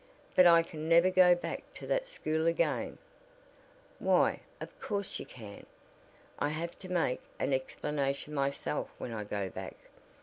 "But I can never go back to that school again " "Why, of course you can. I have to make an explanation myself when I go back.